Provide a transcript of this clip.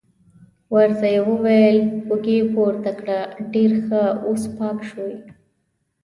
ورته یې وویل: اوږې پورته کړه، ډېر ښه، اوس پاک شوې.